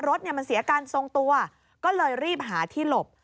รถมันเสียการทรงตัวก็เลยรีบหาที่หลบ